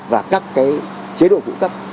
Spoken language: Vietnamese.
và các cái chế độ phụ cấp